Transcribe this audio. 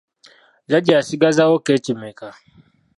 Jjajja yasigazaawo keeki mmeka?